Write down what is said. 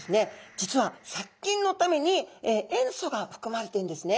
実は殺菌のために塩素が含まれてんですね。